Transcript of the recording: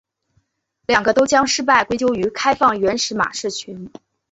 两个都将失败归咎于开放原始码社群。